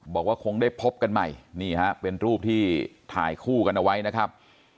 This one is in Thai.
บอกว่าคงได้พบกันใหม่นี่ฮะเป็นรูปที่ถ่ายคู่กันเอาไว้นะครับ